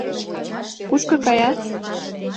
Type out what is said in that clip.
— Кушко кая?